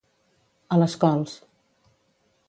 A les cols.